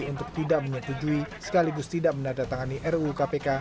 untuk tidak menyetujui sekaligus tidak menandatangani ru kpk